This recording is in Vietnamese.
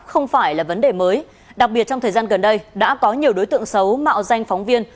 không phải là vấn đề mới đặc biệt trong thời gian gần đây đã có nhiều đối tượng xấu mạo danh phóng viên